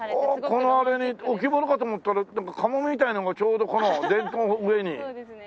このあれ置物かと思ったらなんかカモメみたいなのがちょうどこの電灯の上に。